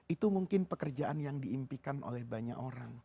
itu mungkin pekerjaan yang diimpikan oleh banyak orang